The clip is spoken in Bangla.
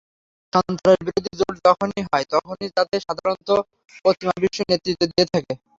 সন্ত্রাসবিরোধী জোট যখনই হয়, তখন তাতে সাধারণত পশ্চিমা বিশ্ব নেতৃত্ব দিয়ে থাকে।